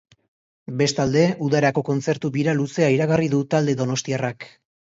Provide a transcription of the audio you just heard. Bestalde, udarako kontzertu bira luzea iragarri du talde donostiarrak.